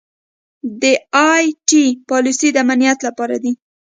دا ائ ټي پالیسۍ د امنیت لپاره دي.